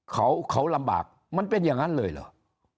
เขาลำบากมันเป็นอย่างนั้นเลยเหรอ